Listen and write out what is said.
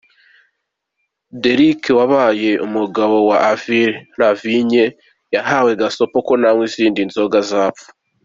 Deryck wabaye umugabo wa Avril Lavigne yahawe gasopo ko nanywa indi nzoga azapfa.